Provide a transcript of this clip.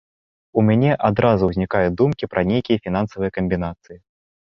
У мяне адразу ўзнікаюць думкі пра нейкія фінансавыя камбінацыі.